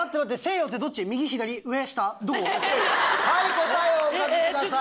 答えをお書きください。